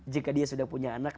jika dia sudah punya anak